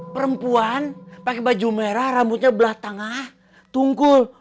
perempuan pakai baju merah rambutnya belah tengah tungkul